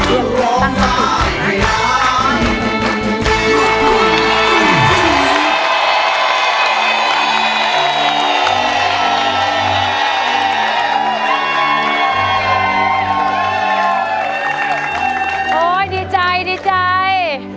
โอ๊ยดีใจดีใจ